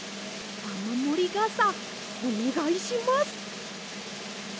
あまもりがさおねがいします！